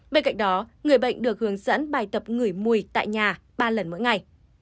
bên cạnh đó người bệnh được hướng dẫn bài tập ngửi mùi tại nhà ba lần mỗi ngày